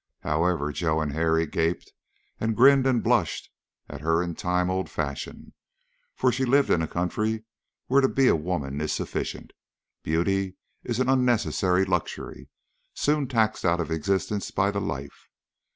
However, Joe and Harry gaped and grinned and blushed at her in the time old fashion, for she lived in a country where to be a woman is sufficient, beauty is an unnecessary luxury, soon taxed out of existence by the life.